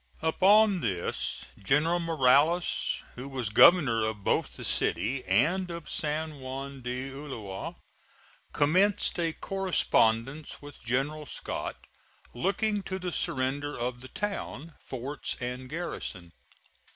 Upon this General Morales, who was Governor of both the city and of San Juan de Ulloa, commenced a correspondence with General Scott looking to the surrender of the town, forts and garrison.